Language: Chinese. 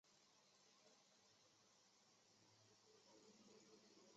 但此时他只能再度被列入替补名单。